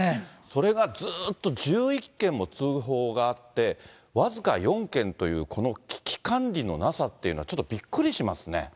それがずっと１１件も通報があって、僅か４件という、この危機管理のなさっていうのは、ちょっとびっくりしますね。